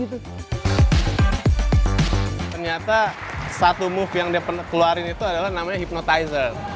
ternyata satu move yang dia keluarin itu namanya hypnotizer